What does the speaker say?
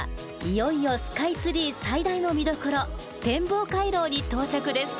いよいよスカイツリー最大の見どころ天望回廊に到着です。